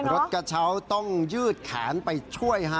รถกระเช้าต้องยืดแขนไปช่วยฮะ